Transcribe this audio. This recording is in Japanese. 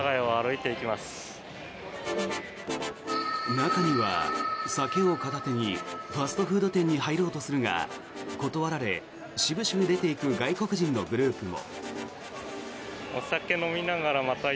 中には、酒を片手にファストフード店に入ろうとするが、断られしぶしぶ出ていく外国人のグループも。